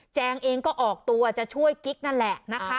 เองก็ออกตัวจะช่วยกิ๊กนั่นแหละนะคะ